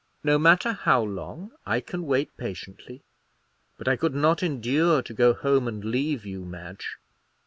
"No matter how long. I can wait patiently, but I could not endure to go home and leave you, Madge."